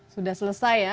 sudah selesai ya